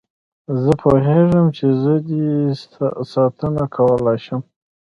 زه پوهېږم چې زه دې ساتنه کولای شم.